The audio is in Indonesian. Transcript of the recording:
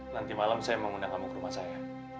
nanti malam saya mau ngundang kamu ke rumah saya